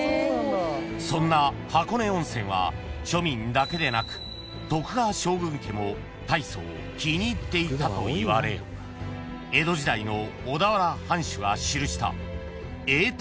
［そんな箱根温泉は庶民だけでなく徳川将軍家も大層気に入っていたといわれ江戸時代の］